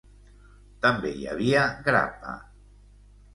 També hi havia grappa.